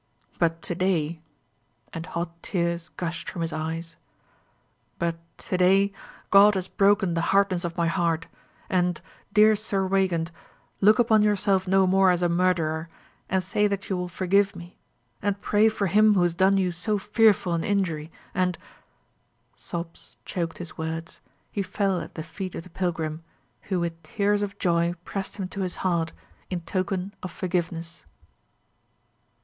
But to day " and hot tears gushed from his eyes "but to day God has broken the hardness of my heart; and, dear Sir Weigand, look upon yourself no more as a murderer, and say that you will forgive me, and pray for him who has done you so fearful an injury, and " Sobs choked his words. He fell at the feet of the pilgrim, who with tears of joy pressed him to his heart, in token of forgiveness.